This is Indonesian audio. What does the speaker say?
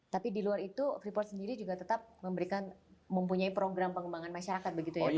tapi di luar itu freeport sendiri juga tetap memberikan mempunyai program pengembangan masyarakat begitu ya